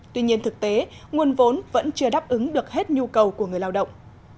tuy nhiên thực tế nguồn vốn vẫn chưa đáp ứng được hết nhu cầu của người lao động